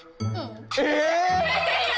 え！